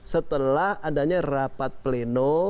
setelah adanya rapat pleno